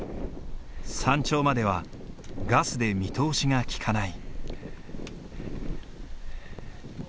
山頂まではガスで見通しがきかない。